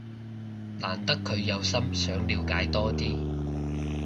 難得佢有心想了解多啲